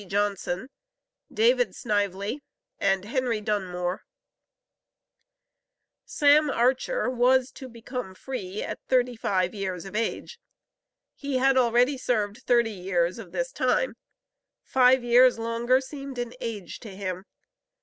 JOHNSON, DAVID SNIVELY, AND HENRY DUNMORE. Sam Archer was to "become free at thirty five years of age." He had already served thirty years of this time; five years longer seemed an age to him.